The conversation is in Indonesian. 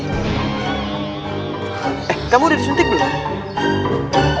eh kamu udah disuntik belum